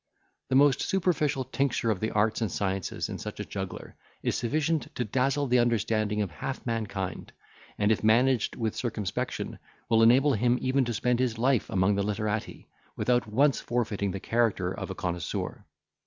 The most superficial tincture of the arts and sciences in such a juggler, is sufficient to dazzle the understanding of half mankind; and, if managed with circumspection, will enable him even to spend his life among the literati, without once forfeiting the character of a connoisseur.